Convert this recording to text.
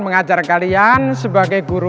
mengajar kalian sebagai guru